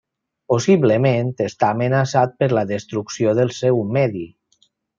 Possiblement està amenaçat per la destrucció del seu medi.